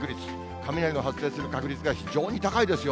雷の発生する確率が非常に高いですよ。